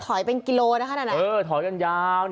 ก็ถอยเป็นกิโลนะคะดังนั้นนะเออถอยกันยาว